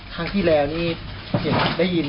ครั้งที่แล้วนี่ได้ยิน